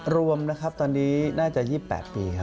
รวมนะครับตอนนี้น่าจะ๒๘ปีครับ